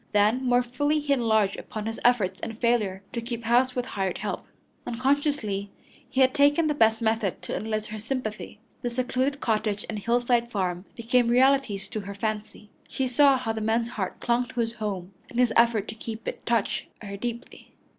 Then more fully he enlarged upon his efforts and failure to keep house with hired help. Unconsciously, he had taken the best method to enlist her sympathy. The secluded cottage and hillside farm became realities to her fancy. She saw how the man's heart clung to his home, and his effort to keep it touched her deeply.